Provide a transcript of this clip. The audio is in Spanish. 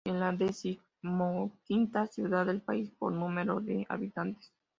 Es la decimoquinta ciudad del país por número de habitantes.